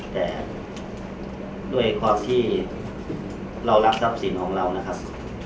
แต่ด้วยความที่เรารับทรัพย์สินของเรานะครับ